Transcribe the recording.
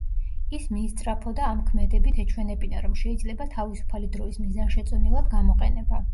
ის მიისწრაფოდა ამ ქმედებით ეჩვენებინა, რომ შეიძლება თავისუფალი დროის მიზანშეწონილად გამოყენება.